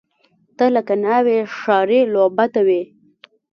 ته لکه ناوۍ، ښاري لعبته وې